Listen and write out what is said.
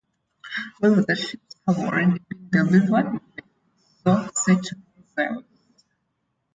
However, the ships have already been delivered with the Exocet missiles.